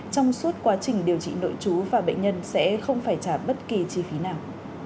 trong suốt quá trình điều trị nội chú và bệnh nhân sẽ không phải trả bất kỳ chi phí nào